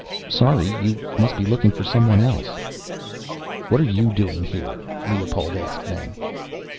'Sorry, you must be looking for someone else.' "'What're you doing here?' Leopold asked then.